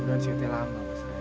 udah udah siatnya lama